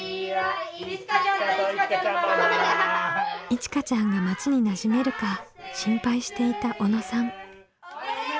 いちかちゃんが町になじめるか心配していた小野さん。